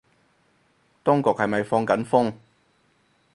當局係咪放緊風